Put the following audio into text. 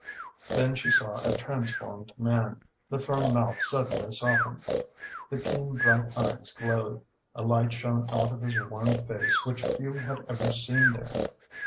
Then she saw a transformed man. The firm mouth suddenly softened, the keen bright eyes glowed. A light shone out of his worn face which few had ever seen there.